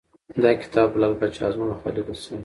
دا کتاب د لعل پاچا ازمون لخوا لیکل شوی .